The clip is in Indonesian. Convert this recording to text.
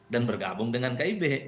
dan bergabung dengan kib